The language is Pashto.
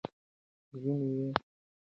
وینې یې په رګونو کې وچې شوې.